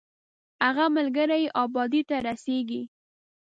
هغه ملګری یې ابادۍ ته رسېږي.